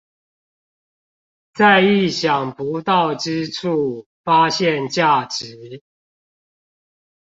在意想不到之處發現價值